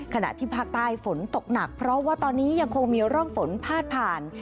ขณะที่ภาคใต้ฝนตกหนักเพราะว่าตอนนี้ยังคงมีร่องฝนพาดผ่าน